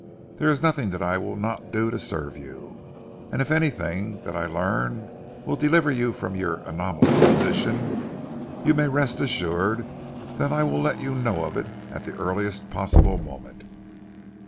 There is nothing that I will not do to serve you, and if anything that I learn will deliver you from your anomalous position, you may rest assured that I will let you know of it at the earliest possible moment."